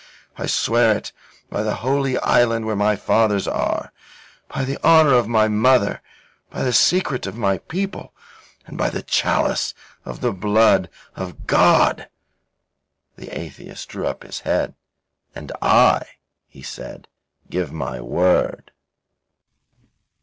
I swear it by the Holy Island where my fathers are, by the honour of my mother, by the secret of my people, and by the chalice of the Blood of God." The atheist drew up his head. "And I," he said, "give my word."